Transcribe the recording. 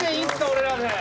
俺らで。